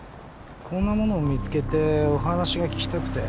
こんなものを見つけてお話が聞きたくて。